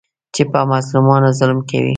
چې په مظلومانو ظلم کوي.